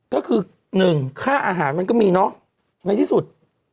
ก็คือ๑ค่าอาหารมันก็มีเนอะไหนที่สุด